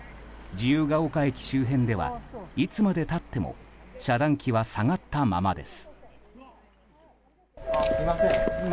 自由が丘駅周辺ではいつまで経っても遮断機は下がったままです。